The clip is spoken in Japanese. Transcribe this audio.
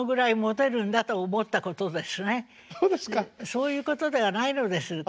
そういうことではないのです。